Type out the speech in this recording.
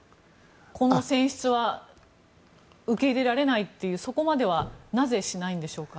この選出は受け入れられないというそこまではなぜしないんでしょうか。